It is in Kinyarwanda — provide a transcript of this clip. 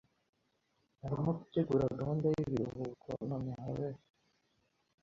arimo gutegura gahunda yibiruhuko nonaweha.